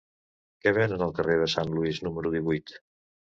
Què venen al carrer de Saint Louis número divuit?